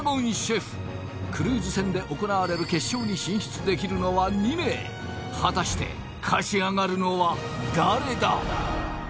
クルーズ船で行われる決勝に進出できるのは２名果たして勝ち上がるのは誰だ？